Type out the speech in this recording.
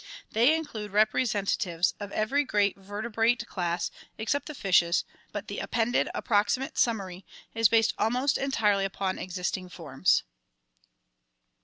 They include representatives of every great vertebrate class except the fishes, but the appended approximate summary is based almost entirely upon existing forms.